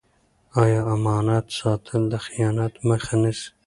آیا امانت ساتل د خیانت مخه نیسي؟